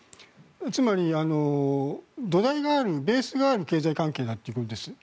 つまり土台がある、ベースがある経済関係だということです。